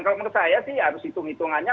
kalau menurut saya sih harus hitung hitungannya